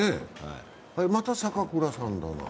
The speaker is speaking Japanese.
また坂倉さんだな。